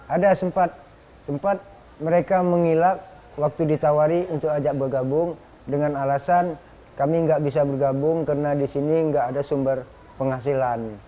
ada sempat sempat mereka mengilak waktu ditawari untuk ajak bergabung dengan alasan kami nggak bisa bergabung karena di sini nggak ada sumber penghasilan